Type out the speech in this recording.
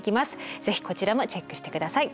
是非こちらもチェックしてください。